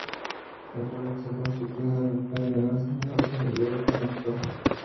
La flora está constituida de coníferas como el pino laricio y el abeto blanco.